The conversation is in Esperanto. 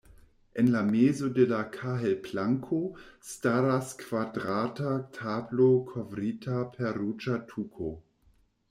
En la mezo de la kahelplanko staras kvadrata tablo kovrita per ruĝa tuko.